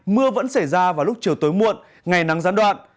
mưa vẫn xảy ra vào lúc chiều tối muộn ngày nắng gián đoạn